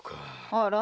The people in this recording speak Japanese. あら？